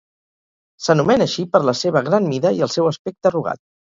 S'anomena així per la seva gran mida i el seu aspecte arrugat.